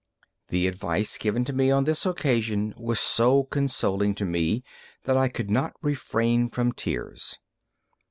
The advice given to me on this occasion was so consoling to me that I could not refrain from tears.